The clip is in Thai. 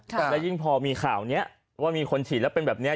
และยิ่งพอมีข่าวนี้ว่ามีคนฉีดแล้วเป็นแบบนี้